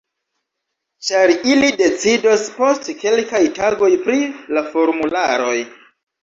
Ĉar ili decidos post kelkaj tagoj pri la formularoj